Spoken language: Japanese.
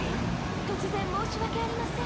突然申し訳ありません。